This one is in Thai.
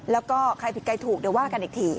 แล้วก็ใครผิดใครถูกเดี๋ยวว่ากันอีกที